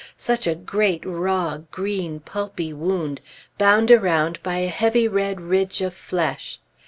Such a great raw, green, pulpy wound, bound around by a heavy red ridge of flesh!